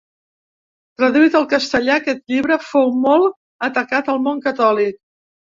Traduït al castellà, aquest llibre fou molt atacat al món catòlic.